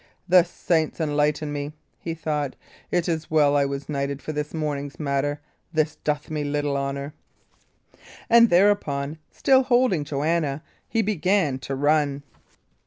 "The saints enlighten me!" he thought. "It is well I was knighted for this morning's matter; this doth me little honour." And thereupon, still holding Joanna, he began to run.